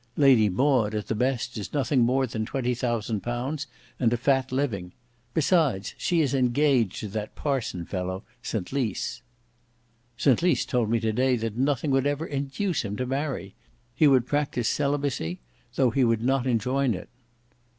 Lady Maud, at the best, is nothing more than twenty thousand pounds and a fat living. Besides, she is engaged to that parson fellow, St Lys. "St Lys told me to day that nothing would ever induce him to marry. He would practise celibacy, though he would not enjoin it."